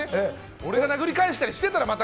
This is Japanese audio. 俺が殴り返したりしてたら、また。